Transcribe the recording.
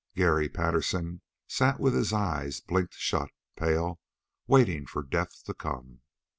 Garry Patterson sat with his eyes blinked shut, pale, waiting for death to come.